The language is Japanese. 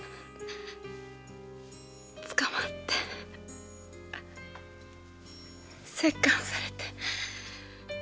捕まって折檻されて。